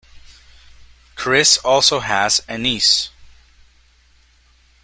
Chris also has a niece.